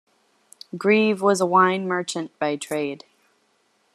Grieve was a wine merchant by trade.